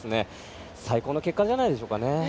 最高の結果じゃないですかね。